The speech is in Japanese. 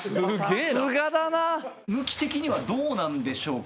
向き的にはどうなんでしょうか